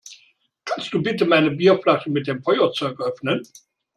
Kannst du bitte meine Bierflasche mit dem Feuerzeug öffnen?